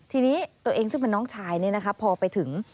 ทีนี้ตัวเองซึ่งเป็นน้องชายพอไปถึง